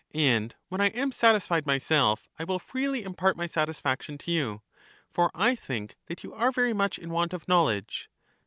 And when I am satisfied myself, I will freely impart my satisfaction to you, for I think that you are very much in want of knowledge.